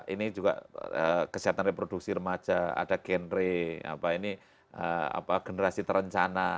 ini juga kesihatan reproduksi remaja ada gen re ini generasi terencana